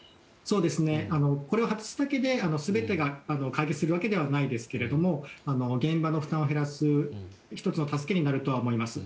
これを外すだけで全てが解決するわけではないですけど現場の負担を減らす１つの助けになるとは思います。